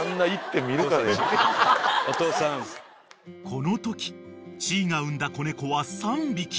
［このときチーが産んだ子猫は３匹］